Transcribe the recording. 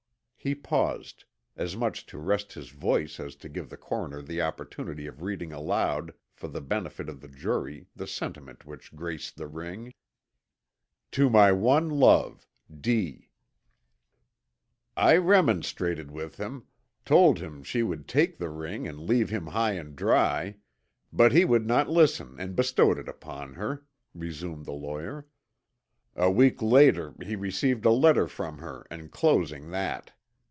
He paused, as much to rest his voice as to give the coroner the opportunity of reading aloud for the benefit of the jury the sentiment which graced the ring: "To my one love D." "I remonstrated with him, told him she would take the ring and leave him high and dry, but he would not listen and bestowed it upon her," resumed the lawyer. "A week later he received a letter from her enclosing that."